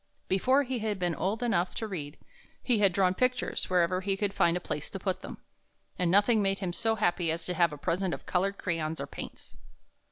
Before he had been old enough to read, he had drawn pictures wherever he could find a place to put them, and nothing made him so happy as to have a present of colored crayons or paints.